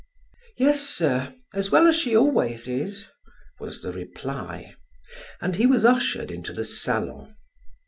"Yes, sir; as well as she always is," was the reply, and he was ushered into the salon.